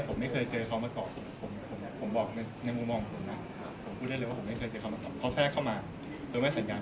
ผมก็โอเคยอมให้เข้า